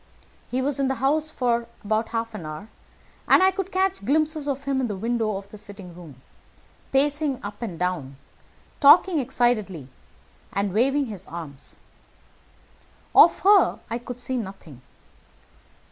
"He was in the house about half an hour, and I could catch glimpses of him in the windows of the sitting room, pacing up and down, talking excitedly and waving his arms. Of her I could see nothing.